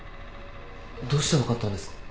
どうして分かったんですか？